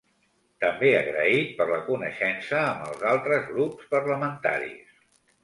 També agraït per la coneixença amb els altres grups parlamentaris.